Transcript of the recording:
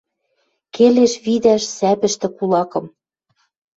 Келеш видӓш сӓпӹштӹ кулакым